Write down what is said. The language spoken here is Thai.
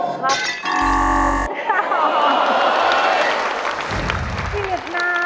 อ๋อว๊าว